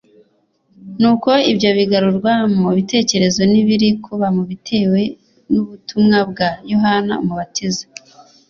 Nuko ibyo bigarurwa mu bitekerezo n'ibiri kuba bitewe n'ubutumwa bwa Yohana Umubatiza.